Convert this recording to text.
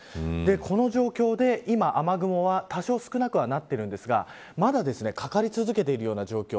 この状況で今、雨雲は多少少なくなっているんですがまだかかり続けているような状況。